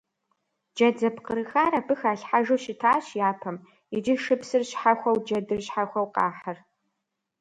Джэд зэпкъырыхар абы халъхьэжу щытащ япэм, иджы шыпсыр щхьэхуэу джэдыр щхьэхуэу къахьыр.